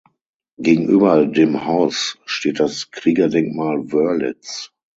Gegenüber dem Haus steht das Kriegerdenkmal Wörlitz.